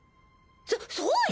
そそうよ。